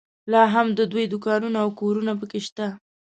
لا هم د دوی دوکانونه او کورونه په کې شته.